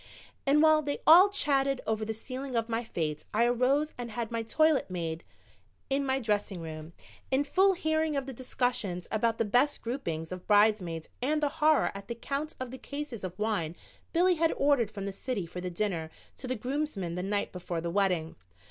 And while they all chatted over the sealing of my fate I arose and had my toilet made in my dressing room, in full hearing of the discussions about the best groupings of bridesmaids and the horror at the count of the cases of wine Billy had ordered from the city for the dinner to the groomsmen the night before the wedding.